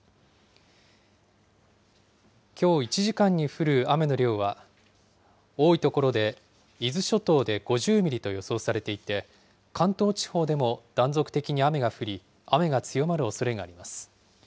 きょう１時間に降る雨の量は、多い所で伊豆諸島で５０ミリと予想されていて、関東地方でも断続的に雨が降り、雨が強まるおそれがあります。